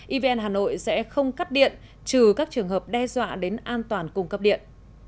evn hà nội sẽ không cắt điện trừ các trường hợp đe dọa đến an toàn cung cấp điện